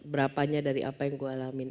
berapanya dari apa yang gue alamin